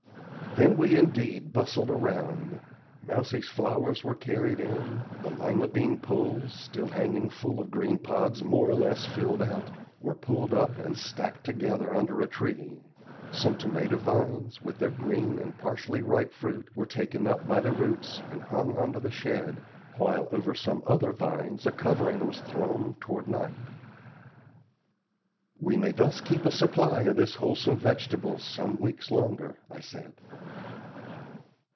Then indeed we bustled around. Mousie's flowers were carried in, the Lima bean poles, still hanging full of green pods more or less filled out, were pulled up and stacked together under a tree, some tomato vines, with their green and partially ripe fruit, were taken up by the roots and hung under the shed, while over some other vines a covering was thrown toward night. "We may thus keep a supply of this wholesome vegetable some weeks longer," I said.